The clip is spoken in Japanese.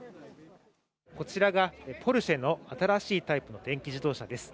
こちらがポルシェの新しいタイプの電気自動車です。